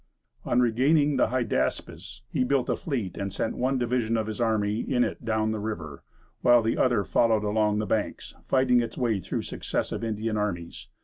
On regaining the Hydaspes, he built a fleet, and sent one division of his army in it down the river, while the other followed along the banks, fighting its way through successive Indian armies.